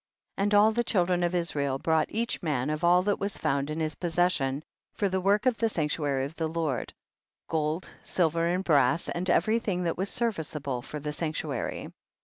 33. And all the children of Israel brought each man of all that was found in his possession for the work of the sanctuary of the Lord, gold, silver and brass, and every thing that was serviceable for the sanctuary.